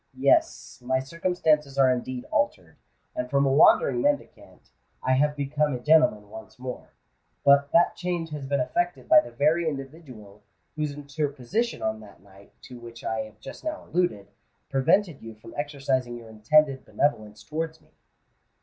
Yes—my circumstances are indeed altered; and from a wandering mendicant, I have become a gentleman once more. But that change has been effected by the very individual whose interposition on that night to which I have just now alluded, prevented you from exercising your intended benevolence towards me."